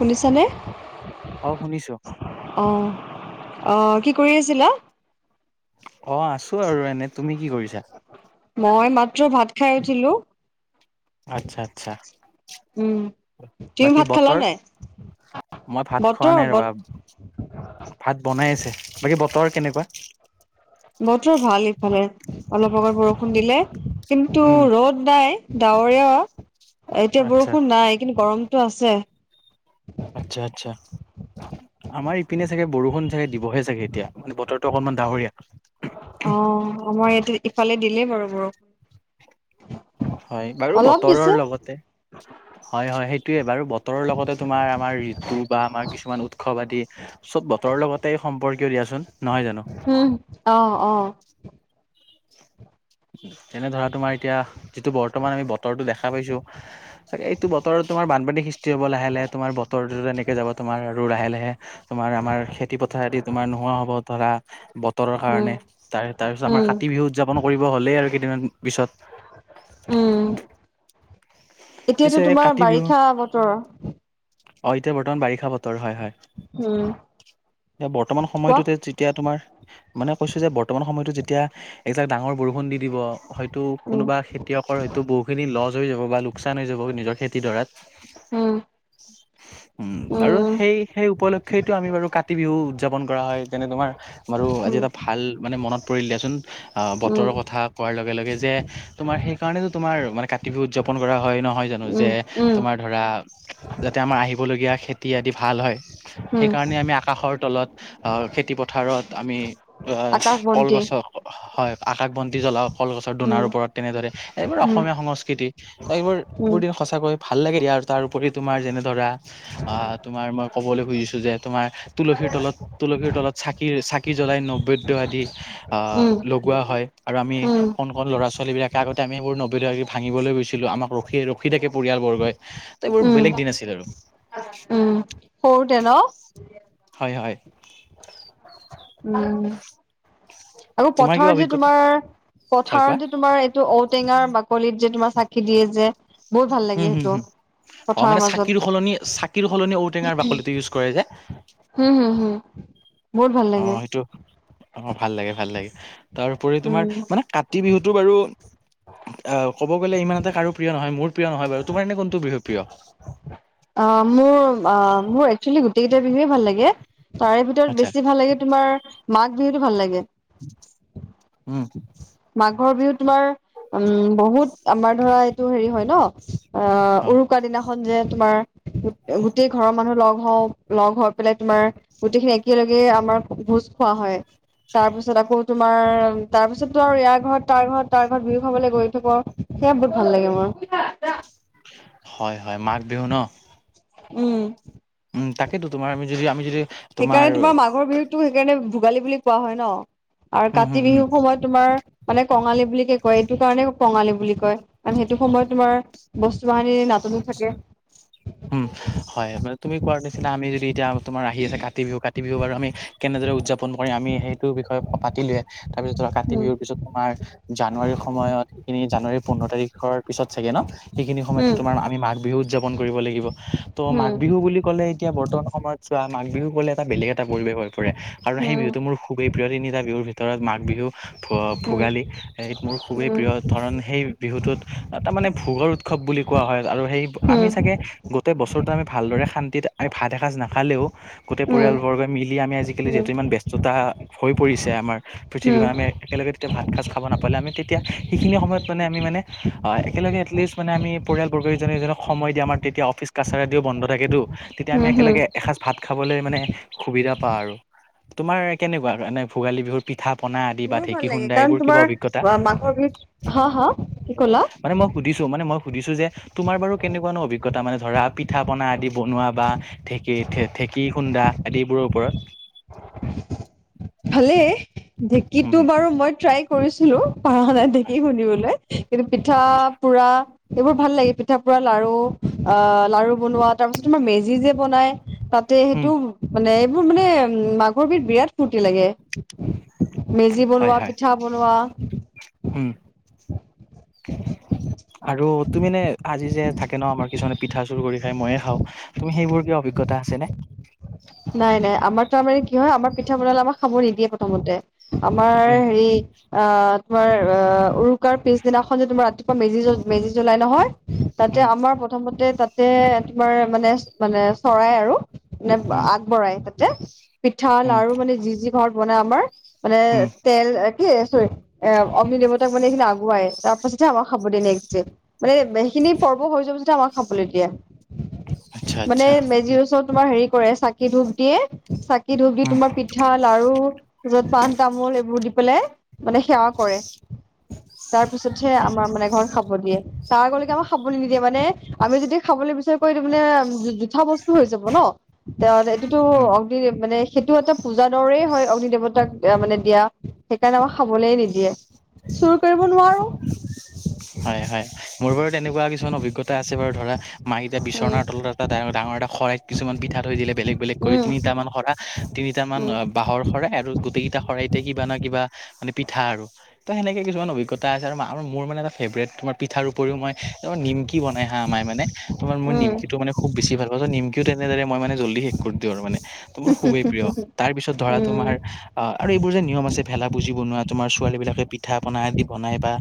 শুনিছানে? অ শুনিছো অ', অ', কি কৰি আছিলা? অ, আছো আৰু এনে তুমি কি কৰিছা? [unintelligible] ভাত খাই উঠিলোঁ। আচ্ছা, আচ্ছা। উম, তুমি বাকী ভাত খালা বতৰ? নাই? মই ভাত খোৱা বতৰ নাই ব ৰ'বা। ভাত বনাই আছে। বাকী বতৰ কেনেকুৱা? বতৰ ভাল ইফালে। অলপ, অলপ বৰষুণ দিলে। কিন্তু উম ৰ'দ নাই। ডাৱৰীয়া এতিয়া আচ্ছা বৰষুণ নাই কিন্তু গৰমতটো আছে। আচ্ছা, আচ্ছা। আমাৰ ই পিনে চাগে বৰষুণ চাগে দিবহে চাগে এতিয়া মানে বতৰটো অকমান ডাহৰীয়া। অ, মই এইটো ইফালে দিলে বাৰু বৰ হয় বাৰু বতৰৰ লগতে। হয়, হয় সেইটোয়ে। বাৰু বত তৰৰ লগতে তোমাৰ আমাৰ ঋতু বা আমাৰ কিছুমান উৎসৱ আদি চব বতৰৰ লগতে সম্পৰী কিয় দিয়াচোন নহয় জানো? উম, অ', অ', [inaudible] তেনে ধৰা তোমাৰ এতিয়া যিটো বৰ্তমান আমি বতৰটো দেখা পাইছো চাগে এইটো বতৰত তোমাৰ বানপানী সিছ তিয়ব লাহ লাহে তোমাৰ বতৰটো যেনেকে যাব তোমাৰ আৰু লাহে লাহে তোমাৰ আমাৰ খেতি পথাৰ আদি তোমাৰ নোহোৱা হ'ব। ধৰা বতৰৰ উম, কাৰণে তাৰ তাৰ পিছত আমাৰ উম। কাতি বিহু উদযাপন কৰিব হ'লে আৰু কেইদিনমান পিছত উম। এতিয়াতো পিছে তোমাৰ কাতি বিহু বাৰিষা বতৰ। অ, এতিয়া বৰ্তমান বাৰিষা বতৰ হয়, হয়। উম, এ, বৰ্তমান কোৱা সময়টোতে যেতিয়া তোমাৰ মানে কৈছো যে বৰ্তমান সময়তো যেতিয়া এইজাক ডাঙৰ বৰষুণ দি দিব। হয়তো উম, কোনোবা খেতিয়কৰ হয়তো বহুখিনি লছ হৈ যাব বা লোকচান হৈ যাব নিজৰ খেতি কিডৰাত। উম। উম, বাৰু সেই সেই উপলক্ষেয়েটো আমি বাৰু কাতি বিহু উ-উদযাপন কৰা হয় যেনে তোমাৰ বাৰু আজি উম এটা ভাল মানে মনত পৰিল দিয়াচোন। আ, উম বতৰৰ কথা কোৱাৰ লগে লগে যে তোমাৰ সেইকাৰণেটো তোমাৰ মানে কাতি বিহু উদযাপন কৰা হয় ন'। হয় জানো উম যে উম তোমাৰ ধৰা যাতে আমাৰ আহিবলগীয়া খেতি আদি ভাল হয়। উম সেইকাৰণে আমি আকাশৰ তলত আউ, খেতি পথাৰত আমি গছ আকাশ বন্তি কলগছক হয় আতাক বন্তি জলাও কলগছৰ দোনাৰ উম ওপৰত তেনে দৰে এইবোৰ উম অসমীয়া সংস্কৃতি তাইবোৰ উম এবোৰ দিন সঁচাকৈ ভাল লাগে। দিয়াৰ তাৰ উপৰি তোমাৰ যেনে ধৰা আ, তোমাৰ মই ক'বলৈ খুজিছো যে তোমাৰ তুলসীৰ তলত তুলসীৰ তলত চাকিৰ চাকি জ্বলাই নব্বেদ [unintelligible] আদি। হা, উম লগোৱা হয়। আৰু আমি উম কণ কণ ল'ৰাছ ছোৱালীবিলাকে আগতে আমি এইবোৰ [unintelligible] ভাঙিবলৈ গৈছিলো আমাক ৰখি ৰখি থাকে পৰিয়ালবৰ্গই ত' এইবোৰ উম বেলেগ দিন আছিল আৰু। উম সৰুতে ন'? হয়, হয়। আৰু তোমাৰ কিবা পথাৰত যে অভিজ্ঞতা তোমাৰ হয় কোৱা পথাৰত যে তোমাৰ এইটো ঔটেঙাৰ বাকলিত যে তোমাৰ চাকি দিয়ে যে। বহুত ভাল উম, লাগে হুম, সেইটো। হুম, অ', পথাৰৰ মানে মাজত চাকিৰ সলনি চাকিৰ সলনি ঔটেঙাৰ বাকলিটো ইউজ কৰে যে উম, হুম হম বহুত ভাল অ, লাগে। সেইটো অ', ভাল লাগে ভাল লাগে তাৰপৰি তোমাৰ উম মানে কাতি বিহুতো বাৰু আহ ক'ব গ'লে ইমান এটা কাৰো প্ৰিয় নহয় মোৰ প্ৰিয় নহয় বাৰু তোমাৰ এনে কোনটো বিহু প্ৰিয়? অ', মোৰ অ মোৰ একচুৱেলি গোটেই কেইটা বিহুৱে ভাল লাগে। তাৰে ভিতৰত আচ্ছা বেছি ভাল লাগে তোমাৰ মাঘ বিহুতো ভাল লাগে। উম মাঘৰ বিহুত তোমাৰ উম বহুত আমাৰ ধৰা এইটো হেৰি হয় ন অ', উৰুকা দিনাখন যে তোমাৰ গোটেই ঘৰৰ মানুহ লগ লগ হৈ পেলাই তোমাৰ গোটেইখিনি একেলগে আমাৰ ভোজ খোৱা হয়। তাৰ পিছত আকৌ তোমাৰ, তাৰপিছত ত ইয়াৰ ঘৰত তাৰ ঘৰত তাৰ ঘৰত বিহু খাবলৈ গৈ থাকোঁ আৰু সেয়া বহুত ভাল লাগে মোৰ। হয়, হয়, মাঘ বিহু ন? উম উম, তাকেইেতো তোমাৰ আমি যদি আমি যদি সেইকাৰণে তোমাৰ মাঘৰ বিহুকতটো সেইকাৰণে ভোগালী বুলি কোৱা হয় ন। আৰু উম, হুম, কাতি হুম, বিহুৰ সময়ত তোমাৰ মানে কঙালী বুলি ক ক এইটো কাৰণে কঙালী বুলি কয় কাৰণ সেইটো সময়ত তোমাৰ বস্তু বাহিনি নাটনি থাকে। উম, হয় মানে তুমি কোৱা দিছিলা আমি যদি এতিয়া তোমাৰ আহি আছে কাতি বিহু কাতি বিহু বাৰু আমি কেনেদৰে উদযাপন কৰিম আমি সেইটো বিষয়ে পাতিলোৱে তাৰপিছত ধৰা কাতি উম, বিহুৰ পিছত তোমাৰ জানুৱাৰীৰ সময়ত সেইখিনি জানুৱাৰীৰ পোন্ধৰ তাৰিখৰ পিছত চাগে ন সেইখিনি সময়তে তোমাৰ উম, আমি মঘ বিহু উদযাপন কৰিব লাগিব ত' মাঘ উম, বিহু বুলি কলে এতিয়া বৰ্তমান সময়ত চোৱা মাঘ বিহু গলে এটা বেলেগ এটা পৰিৱেশ হৈ পৰে আৰু সেই উম, বিহুতটো মোৰ খুবেই প্ৰিয় তিনিটা বিহুৰ ভিতৰত মাঘ বিহু উম, ভোগালী এইত মোৰ খুবেই উম, প্ৰিয় কাৰণ সেই বিহুটোত তাৰ মানে ভোগৰ উৎসৱ বুলি কোৱা হয় আৰু সেই আমি উম, চাগে গোটেই বছৰটো আমি ভালদৰে শান্তিত আমি ভাত এসাঁজ নাখালেও গোটেই উম, পৰিয়ালবৰ্গই মিলি আমি আজিকালি উম, যিহেতু ইমান ব্যস্ততা হৈ পৰিছে আমাৰ পৃথিৱীত উম, আমি একেলগে তিয়া ভাত খাচ খাব নাপালে আমি তেতিয়া সেইখিনি সময়ত মানে আমি একেলগে এটলিছ মানে পৰিয়াল জুনে, জুনে সময় আমাৰ তেতিয়া অফিচ কাছাৰদিও বন্ধ থাকেতো তেতিয়া আমি উম, হম। একেলগে এসাঁজ ভাত খাবলৈ মানে সুবিধা বাৰু তোমাৰ কেনেকুৱা মানে ভোগালী বিহুৰ পিঠা পনা আদি বা মোৰো ভাল ঢেঁকী লাগে খুন্দা কাৰণ এইবোৰ কিবা তোমাৰ অভিজ্ঞতা মাঘৰ বিহুত হা হা কি ক'লা? মানে মই সুধিছো মানে মই সুধিছো যে তোমাৰ বাৰু কেনেকুৱাানো অভিজ্ঞতা মানে ধৰা পিঠা পনা আদি বনোৱা বা ঢেঁকী, ঢেঁকী খুন্দা আদিবোৰৰ ওপৰত। ভালেই উম ঢেঁকিতো বাৰু মই ট্ৰাই কৰিছিলো। পা, নাই, দেখি শুনিবলৈ কিন্তু পিঠা, পোৰা সেইবোৰ ভাল লাগে পিঠা পুৰা লাৰু অ লাৰু বনোৱা তাৰ পিছত তোমাৰ মেজি যে বনাই তাতে উম সেইটো মানে এইবোৰ মানে মাঘৰ বিধ বিৰাট ফূুৰ্তি লাগে। মেজি হয় বনোৱা, হয় পিঠা বনোৱা উম আৰু তুমি নে আজি যে থাকে ন, আমাৰ কিছুমানে পিঠা চুৰ কৰি খাই ময়ে খাওঁ তুমি সেইবোৰ কিয় অভিজ্ঞতা আছেনে। নাই নাই আমাৰ তাৰ মানে কি হয় আমাৰ পিঠা বনালে আমাক খাব নিদিয়ে প্ৰথমতে আমাৰ উম হেৰি আ তোমাৰ অ, উৰুকাৰ পিছদিনাখন যে তোমাৰ ৰাতিপুৱা মেজি, মেজি জ্বলাই নহয়। তাতে উম আমাৰ প্ৰথমতে তাতে, তোমাৰ মানে মে চৰাই আৰু মানে উম আগবঢ়াই তাতে পিঠা উম লাৰু মানে যি, যি, ঘৰত বনাই আমাৰ মানে উম তেল কি চৰি এ, অগ্নিদিয়মতাক মানে এইখিনি আগুৱাই তাৰ পাছতহে আমাৰ খাব দিয় নেক্সট ড মানে এইখিনি পৰ্ব হৈ যোৱাৰ পাছত আমাক খাবলৈ দিয়ে। আচ্ছা মানে আচ্ছা মেজিৰ ওচৰত তোমাৰ হেৰি কৰে চাকি, ধূপ দিয়ে। কি ধূপ দি উম তোমাৰ পিঠা লাৰুত, পাণ তামোল এইবোৰ দি পেলাই মানে সেৱা কৰে। তাৰপিছতহে হয় আমাৰ মানে ঘৰ খাব দিয়ে। তাৰ আগলৈকে আমাক খাবলৈ নিদিয়ে মানে আমি যদি খাবলৈ বিচাৰ কৰি ত মানে জোঠা বস্তু হৈ যাব ন, তে এইটোতো উম অগ মানে সেইটো এটা পূজাৰ দৰেই হয়, অগ্নি দেৱতাক মানে দিয়া সেইকাৰণে আমাক খাবলে নিদিয়ে। চুৰ কৰিব নোৱাৰো। হয় হয় মোৰ বাৰু তেনেকুৱা কিছুমান অভিজ্ঞতা আছে বাৰু ধৰা। মাইকতিটা উম বিচনাৰ তলত এটা ডাঙৰ এটা শৰাইত কিছুমান পিঠা থৈ দিলে বেলেগ, বেলেগ কৰি উম তিনিটামান খৰা। তিনিট মান উম বাঁহৰ শৰাই আৰু গোটেইকেইটা শৰাইতে কিবা ন, কিবা মান পিঠা আৰু তো, সেনেকৈ কিছুমান অভিজ্ঞতা আছে আৰু মোৰ মানে এটা ফেভৰেট, তোমাৰ? পিঠাৰ উপৰিও মই ত নিমকি বনাই হা আৰ মানে তাৰ মই উম নিমকিটো মানে খুব বেছি ভাল পাওঁ, চ, নিমকিও তেনেদৰে। মই মে জল্দি শেষ কৰি দিওঁ আৰু মানে। তমোৰ খুবেই প্ৰিয়। তাৰ পিছত ধৰা তোমাৰ উম আহ আৰু এইবোৰ যে নিয়ম আছে, ভেলা বুজি বনোৱা তোমাৰ ছোৱালী বিলাকে পিঠা, পনা আদি বনাই বা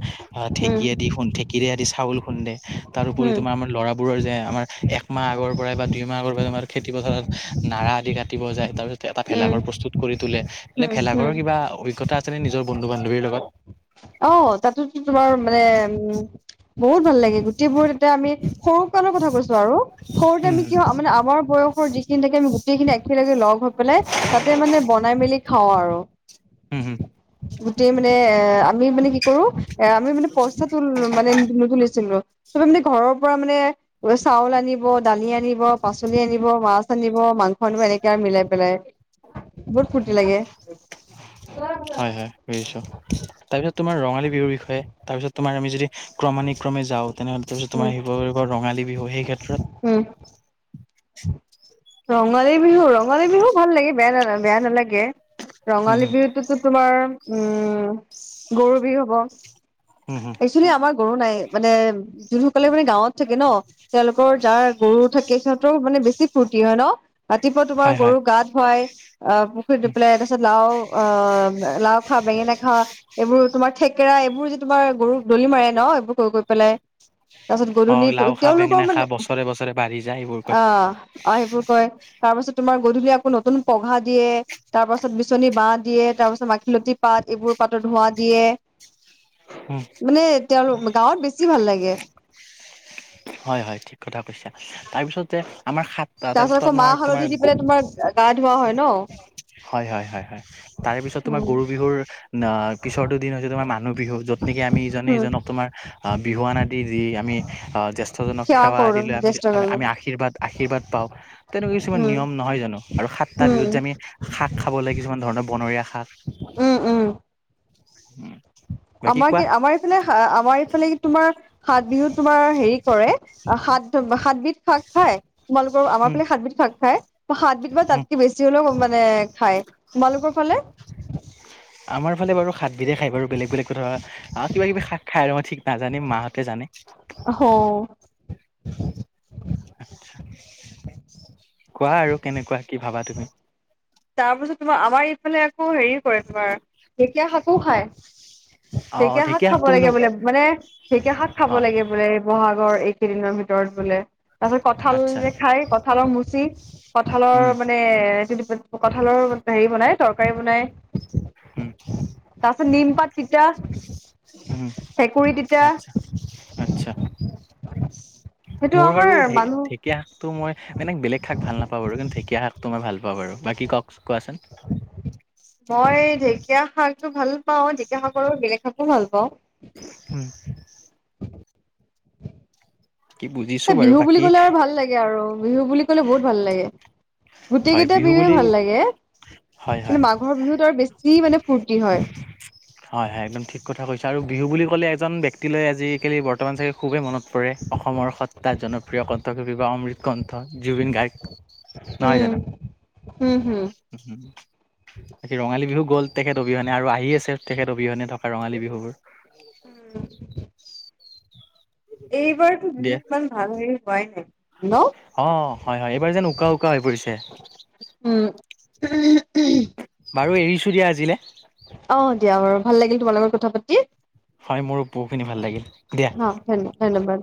ঢেঁকী উম আদি খু, ঢেঁকীৰে আদি চাউল খুন্দে। তাৰপৰি উম তোমাৰ আমাৰ ল'ৰাবোৰৰ যে আমাৰ এক মাহ আগৰ পৰাই বা দুই মাহ আগৰ পৰাই তোমাৰ খেতি পথাৰত নাৰা আদি কাটিব যায় তাৰ পিছত এটা ভেলাঘৰ উম প্ৰস্তুত কৰি তোলে এনে, উম, ভেলাঘৰ হুম, কিবা অভিজ্ঞতা আছে নে নিজৰ বন্ধু, বান্ধৱীৰ লগত অ, তাতো তোমাৰ মানে উম, বহুত ভাল লাগে। গোটেইবোৰ তেতিয়া আমি সৰু কণৰ কথা কৈছো আৰু সৰুতে উম আমি কি হয় মানে আমাৰ বয়স যিখিনি থাকে, আমি গোটেইিন একেলগে লগ'ম। পেলাই তাতে মানে বনাই মেলি খাওঁ আৰু হুম হুম গোটেই মানে এ আমি মানে কি কৰো এ, আমি মানে পইচা তো মানে নু, তুলিছিলো। চবে মানে ঘৰৰ পৰা মানে চাউল আনিব, দালি আনিব, পাচলি আনিব, মাছ আনিব। মাংস এনেকে আৰু মিলাই পেলাই বহুত হুম ফূুৰ্তি লাগে। হয়, হয়, কৰিছো তাৰপিছত। তোমাৰ ৰঙালী বিহুৰ বিষয়ে তাৰপিত তোমাৰ আমি যদি ক্ৰমানিক, ক্ৰমে যাওঁ। তেনেছ উম, তোমাৰ শিৱ বাগৰ ৰঙালী বিহু সেই ক্ষেত্ৰত উম। ৰঙালী বিহু ৰঙালী বিহু ভাল লাগে বেয়া ন বেয়া নালাগে হুম ৰঙালী হুম বিহুততো তোমাৰ উম গৰু বি হ'ব হুম হুম একচেলি আমাৰ গৰু নাই মানে যোনসকলে মানে গাঁৱত থাকে ন তেওঁলোকৰ যাৰ গৰু থাকে সিহঁতৰো মানে বেছি ফূুৰ্তি হয় ন ৰাতিপুৱা তোমাৰ হয় হয় গৰু গাত হয় আহ পুখুৰীত দি পেলাই তাৰ পাছত লাও অ লাও খা বেঙেনা খা এইবোৰত তোমাৰ থেকেৰা এইবোৰ যে তোমাৰ গৰুক দলি মাৰে ন এইবোৰ কৰি গৈ পেলাই তাৰপিছত অ গধূলি লাও খা তেওঁলোকৰ বেঙেনা খা মানে বছৰে বছৰে বাঢ়ি যায় এইবোৰ অ কয় অ সেইবোৰ কয় তাৰ পাছত তোমাৰ গধূলি আকৌ নতুন পঘা দিয়ে তাৰ পাছত বিচনী বাহহ দিয়ে তাৰপাছত মাখিলতি পাত এইবোৰ পাতত ধোৱা দিয়ে মানে তেওঁলোক গাঁৱত বেছি ভাল লাগে হয় হয় ঠিক কথা কৈছা তাৰপিছতে তাৰ পাছত আকৌ মাহ হালধি দি পেলাই তোমাৰ গা ধৱা হয় ন হয় হয় হয় হয় তাৰে পিছত তোমাৰ উম, গৰু বিহুৰ পিছৰতো দিন হৈছে তোমাৰ মানুহ বিহু য'ত নকে আমি ইজনে উম। ইজনক তোমাৰ আহ বিহুৱান আদি যি আমি জে সজনক সেৱা আদি কৰো লৈ আমি জ্যেষ্ঠ আমি গণক আশীৰ্বাদ আশীৰ্বাদ পাওঁ তেনেকুৱা কিছুমান উম, নিয়ম নহয় জানো আৰু সাতটা বিহুত উম, যে আমি শাক খাব লাগ কিছুমান ধৰণৰ বনৰীয়া শাক উম উম উম আমাৰ কি আমাৰ এইফালে আমাৰ এইফালে কি তোমাৰ সাত বিহুত তোমাৰ হেৰি কৰে সাত সাতবিধ শাক খাই তোমালোকৰ আমাৰ উম ফালে সাতবিধ শাক খায় সাতবিধ বা উম তাতকে বেছি হলেও মানে খাই তোমালোকৰ ফালে আমাৰ ফালে বাৰু হাতবিধে খায় বাৰু বেলেগ বেলেগ কথা আৰু কিবা কিবি শাক খাই আৰু মই ঠিক নাজানে মাহঁতে জানে আা কোৱা আৰু কেনেকুৱা কি ভাবা তুমি তাৰ পিছত তোমাৰ আমাৰ ইফালে আকৌ হেৰি কৰে তোমাৰ ঢেকীয়া শাকো খায় অ ঢেকীয়া শাক খাব শাকটো লাগে কিন্তু বোলে মানে ঢেকীয়া শাক খাব হয় লাগে বোলে বহাগ ৰ এইকেইদিনৰ ভিতৰত বোলে তাৰপিছত কঁঠাল আচ্ছা যে খাই কঠালৰ মুচি কঠালৰ উম মানে কঁঠালৰ হেৰি বনাই তৰকাৰী বনাই উম তাৰপাছত নিমপাত তিতা ভেকুৰী তিতা আচ্ছা আচ্ছা সেইটো মোৰ আমাৰ বাৰু ে মানুহ ঢেকীয়া শাকটো মই মানে বেলেগ শাক ভাল নাপাওঁ বাৰু কিন্তু ঢেকীয়া শাক তোমাৰ ভাল পা বাৰু বাকী কওক কোৱাচোন মই ঢেকীয়া শাকটো ভাল পাওঁ ঢেকীয়া শাকৰ বেলেগ শাকো ভাল পাওঁ উম কি বুজিছো বাৰু বিহু বুলি বাকী কলে আৰু ভাল লাগে আৰু বিহু বুলি ক'লে বহুত ভাল লাগে গোটেই হয় কেইটা বিহু বিহুে বুলি ভাল লাগে হয় কিন্তু হয় মাঘৰ বিহুতো আৰু বেছি মানে ফূৰ্তি হয়। হয় হয় একদম ঠিক কথা কৈছ আৰু বিহু বুলি ক'লে এজন ব্যক্তিলৈ আজিিকালি বৰ্তমান চাগে খুবেই মনত পৰে অসমৰ সতাত জনপ্ৰিয় কণ্ঠশিল্পী বা অমৃত অমত কন্ঠ জুবিন গায়ক নহয় উম, জানো হুম, হুম। বাকী ৰঙালী বিহু গ'ল তেখেত অবিহনে আৰু আহি আছে তেখেত অবিহনে থকা ৰঙালী বিহুবোৰ উম, এইবাৰতো দে বিহু ইমান ভাল হেৰি হয় নাই ন অ ', হয় হয় এইবাৰ যেন উকা উকা হৈ পৰিছে উম, বাৰু এৰিছো দিয়া আজিলৈ অ' দিয়া বাৰু ভাল লাগিল তোমাৰ লগত কথা পাতি হয় মোৰো পহুখিনি ভাল লাগিল দিয়া অ' ধন্য ধন্যবাদ।